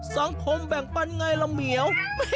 สังคมแบ่งปันไงล่ะเหมียว